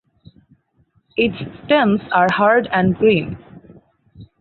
Its stems are hard and green.